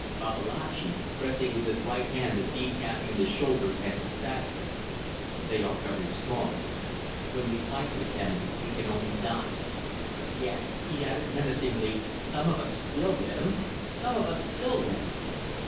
Babalatchi, pressing with his right hand the deep gash on his shoulder, answered sadly: "They are very strong. When we fight with them we can only die. Yet," he added, menacingly "some of us still live! Some of us still live!"